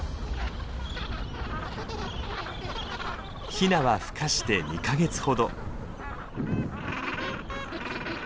ヒナはふ化して２か月ほど。